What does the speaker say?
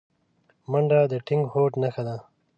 منډه د ټینګ هوډ نښه ده